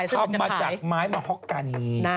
ทำมาจากไม้มะฮอกกานี